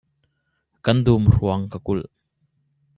Kan dum hruang ka kulh.